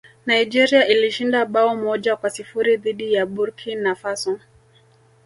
nigeria ilishinda bao moja kwa sifuri dhidi ya burki na faso